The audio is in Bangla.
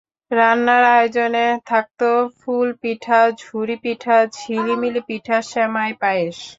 রান্নার আয়োজনে থাকত ফুল পিঠা, ঝুরি পিঠা, ঝিলিমিলি পিঠা, সেমাই, পায়েস।